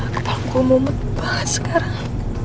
kepala ku mumet banget sekarang